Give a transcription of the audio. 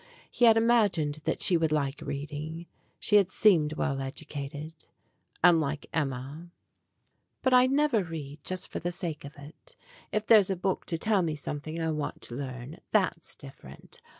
He had imagined that she would like reading : she had seemed well educated, unlike Emma. "But I never read just for the sake of it. If there's a book to tell me something I want to learn, that's different.